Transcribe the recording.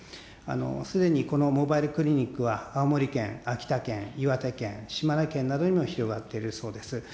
すでにこのモバイルクリニックは、青森県、秋田県、岩手県、島根県などにも広がっているそうです。